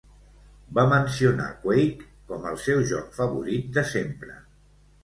Va mencionar Quake com el seu joc favorit de sempre.